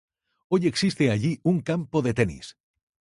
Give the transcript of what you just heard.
Hoy existe allí un campo de tenis.